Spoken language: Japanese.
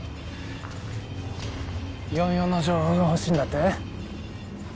４４の情報が欲しいんだって？